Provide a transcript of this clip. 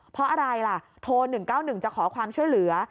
เพราะอะไรล่ะโทร๑๙๑จะขอความช่วยเหลือ